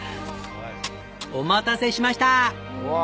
お待たせしました！